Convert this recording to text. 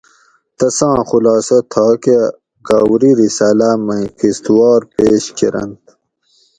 تساں خُلاصہ تھاکہ گاؤری رساَلاۤ مئ قسط وار پیش کۤرنت